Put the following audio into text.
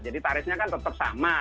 jadi tarifnya kan tetap sama